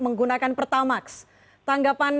menggunakan pertamax tanggapan